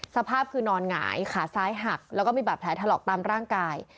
สภาพคือนอนหงายขาซ้ายหักแล้วก็มีบาดแผลถลอกตามร่างกาย